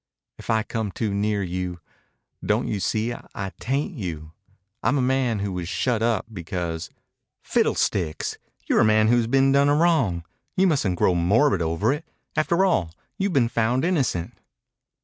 "If I come too near you, don't you see I taint you? I'm a man who was shut up because " "Fiddlesticks! You're a man who has been done a wrong. You mustn't grow morbid over it. After all, you've been found innocent."